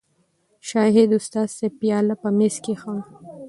شاهد استاذ صېب پياله پۀ مېز کېښوده